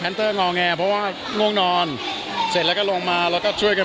หรือว่าไม่ค่อย